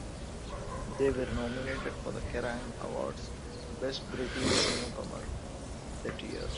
They were nominated for the Kerrang Award's 'Best British Newcomer' that year.